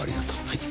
はい。